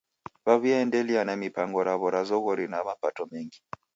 W'aw'iaendelia na mipango raw'o ra zoghori ra mapato mengi.